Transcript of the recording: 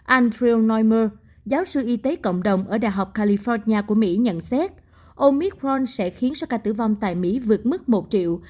andrew neumer giáo sư y tế cộng đồng ở đại học california của mỹ nhận xét omicron sẽ khiến số ca tử vong tại mỹ vượt mức một triệu